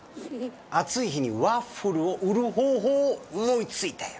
暑い日にワッフルを売る方法を思いついたよ。